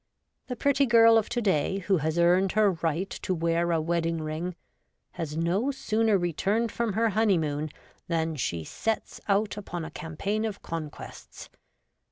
The pretty girl of to day, who has earned her right to wear a wedding ring, has no sooner returned from her honeymoon than she sets out upon a campaign of conquests.